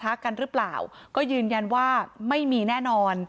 กันหรือเปล่าก็ยืนยันว่าไม่มีแน่นอน